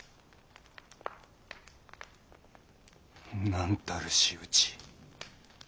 なんたる仕打ち。